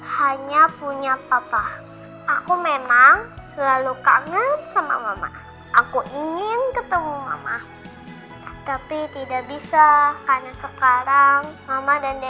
saya yakin sekali andin disana pasti akan bangga sekali dengan rena